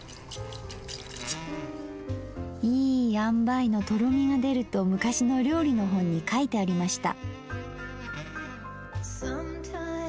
いい塩梅のとろみが出ると昔の料理の本に書いてありました。